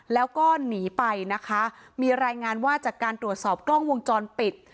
แล้วก็หนีไปนะคะมีรายงานว่าจากการตรวจสอบกล้องวงจรปิด